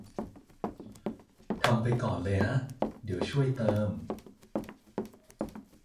ทำไปก่อนเลยฮะ เดี๋ยวช่วยเติม